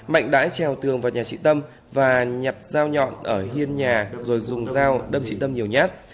mạnh đã trèo tường vào nhà chị tâm và nhặt dao nhọn ở hiên nhà rồi dùng dao đâm chị tâm nhiều nhát